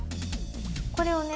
これをね